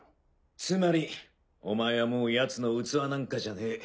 つまりお前はもうヤツの器なんかじゃねえ。